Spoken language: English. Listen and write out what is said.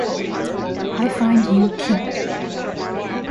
I find you cute!